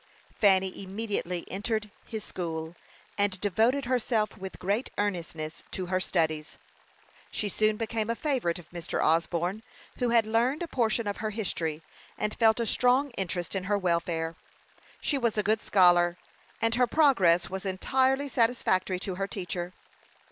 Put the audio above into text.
Fanny immediately entered his school, and devoted herself with great earnestness to her studies. She soon became a favorite of Mr. Osborne, who had learned a portion of her history, and felt a strong interest in her welfare. She was a good scholar, and her progress was entirely satisfactory to her teacher.